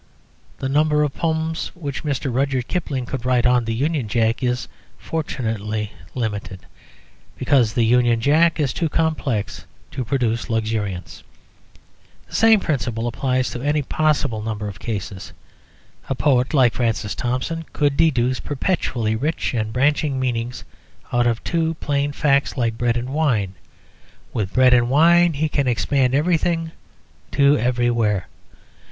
The number of poems which Mr. Rudyard Kipling could write on the Union Jack is, fortunately, limited, because the Union Jack is too complex to produce luxuriance. The same principle applies to any possible number of cases. A poet like Francis Thompson could deduce perpetually rich and branching meanings out of two plain facts like bread and wine; with bread and wine he can expand everything to everywhere.